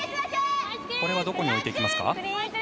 これはどこに置いてきますか。